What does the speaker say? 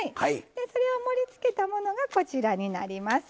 それを盛りつけたものがこちらになります。